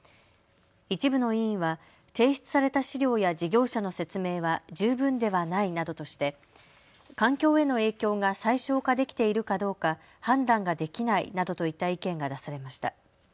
一部の委員は提出された資料や事業者の説明は十分ではないなどとして環境への影響が最小化できているかどうか判断ができないなどといった意見が出されました。